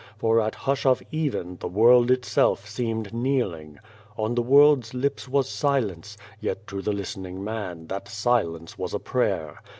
For at hush of even, the world itself seemed kneeling. On the world's lips was silence, yet to the listening man, that silence was a prayer.